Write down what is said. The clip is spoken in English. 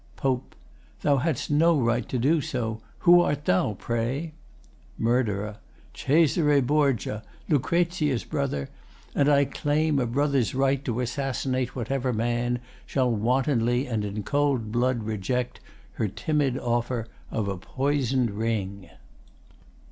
POPE Thou hadst no right to do so. Who art thou, pray? MURD. Cesare Borgia, Lucrezia's brother, and I claim a brother's Right to assassinate whatever man Shall wantonly and in cold blood reject Her timid offer of a poison'd ring.